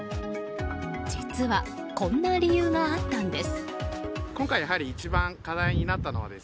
実は、こんな理由があったんです。